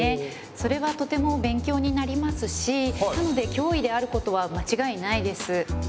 それはとても勉強になりますしなので脅威であることは間違いないです。